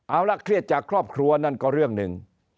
เอาละเครียดจากครอบครัวนั่นก็เรื่องหนึ่ง